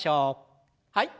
はい。